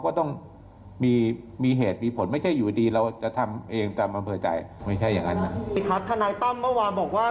คาดพนายตั้มเมื่อวานบอกว่า